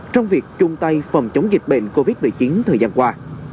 trong việc chung tay phòng chống dịch bệnh covid một mươi chín thời gian qua